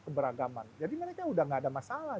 keberagaman jadi mereka udah gak ada masalah